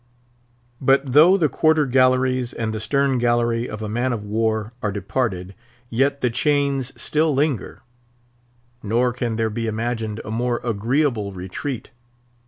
But though the quarter galleries and the stern gallery of a man of war are departed, yet the chains still linger; nor can there be imagined a more agreeable retreat.